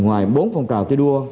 ngoài bốn phong trào thi đua